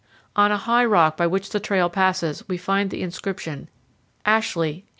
On a high rock by which the trail passes we find the inscription: "Ashley 18 5."